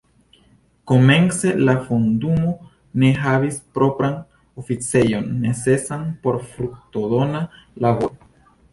Komence la fondumo ne havis propran oficejon necesan por fruktodona laboro.